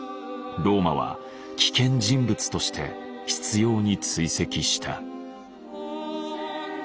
ローマは危険人物として執ように追跡した。